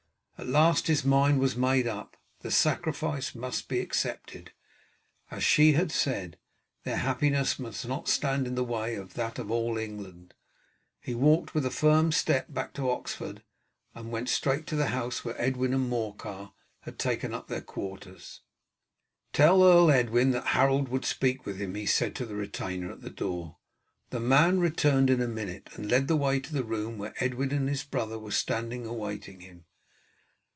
At last his mind was made up, the sacrifice must be accepted. As she had said, their happiness must not stand in the way of that of all England. He walked with a firm step back to Oxford, and went straight to the house where Edwin and Morcar had taken up their quarters. "Tell Earl Edwin that Harold would speak with him," he said to the retainer at the door. The man returned in a minute, and led the way to the room where Edwin and his brother were standing awaiting him.